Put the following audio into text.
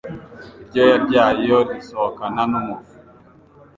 Iryoya ryayo risohokana n'umuvu